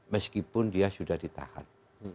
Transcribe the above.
meskipun dia sudah ditahan